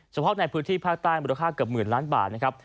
เฉพาะในพื้นที่ภาคใต้มูลค่าเกือบหมื่นล้านบาทนะครับ